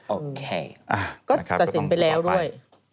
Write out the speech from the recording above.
โอเคก็ตัดสินไปแล้วด้วย